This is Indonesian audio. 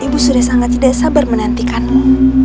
ibu sudah sangat tidak sabar menantikanmu